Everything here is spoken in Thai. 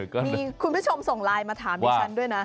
คุณผู้ชมส่งไลน์มาถามดิฉันด้วยนะ